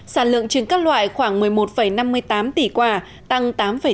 sản lượng trừng các loại khoảng một mươi một năm mươi tám tỷ quả tăng tám tám